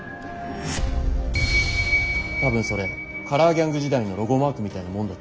多分それカラーギャング時代のロゴマークみたいなもんだと思う。